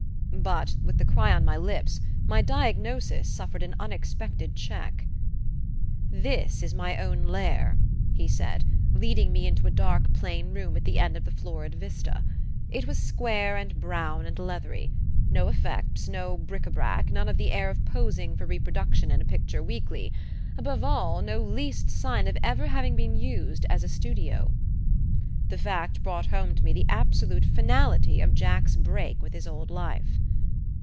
But, with the cry on my lips, my diagnosis suffered an unexpected check. "This is my own lair," he said, leading me into a dark plain room at the end of the florid vista. It was square and brown and leathery: no "effects"; no bric a brac, none of the air of posing for reproduction in a picture weekly above all, no least sign of ever having been used as a studio. The fact brought home to me the absolute finality of Jack's break with his old life.